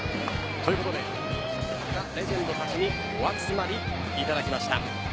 ということで超豪華なレジェンドたちにお集まりいただきました。